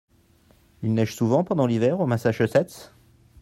Il neige souvent pendant l'hiver au Masschussets ?